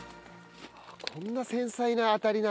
こんな繊細な当たりなんだ。